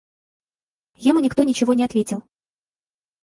Ему никто ничего не ответил.